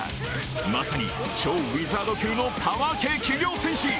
まさに超ウィザード級のパワー系企業戦士。